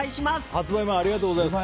発売前、ありがとうございます。